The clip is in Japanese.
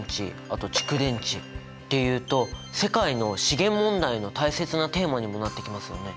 あと「蓄電池」っていうと世界の資源問題の大切なテーマにもなってきますよね。